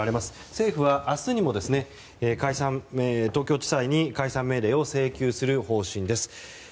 政府は明日にも東京地裁に解散命令を請求する方針です。